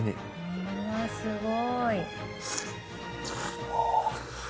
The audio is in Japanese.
うわっすごい。